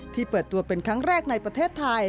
เปิดตัวเป็นครั้งแรกในประเทศไทย